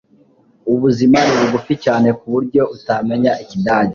Ubuzima ni bugufi cyane ku buryo utamenya Ikidage.